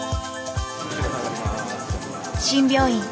新病院